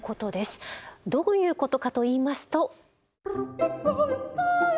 どういうことかといいますと。